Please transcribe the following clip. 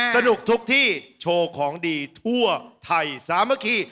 สนุกทุกที่โชว์ของดีทั่วไทยสามัคคี